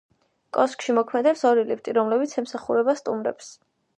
კოშკში მოქმედებს ორი ლიფტი, რომლებიც ემსახურება სტუმრებს.